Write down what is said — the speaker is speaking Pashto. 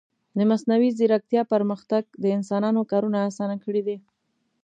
د مصنوعي ځیرکتیا پرمختګ د انسانانو کارونه آسانه کړي دي.